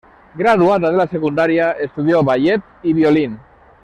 Graduada de la secundaria, estudió ballet y violín.